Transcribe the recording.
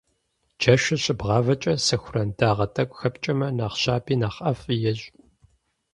Джэшыр щыбгъавэкӀэ сэхуран дагъэ тӀэкӀу хэпкӀэмэ, нэхъ щаби, нэхъ ӀэфӀи ещӀ.